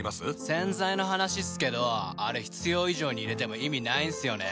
洗剤の話っすけどあれ必要以上に入れても意味ないんすよね。